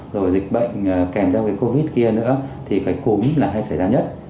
rồi dịch bệnh kèm theo cái covid kia nữa thì bệnh cúm là hay xảy ra nhất